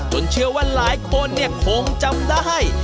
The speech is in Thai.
เชื่อว่าหลายคนเนี่ยคงจำได้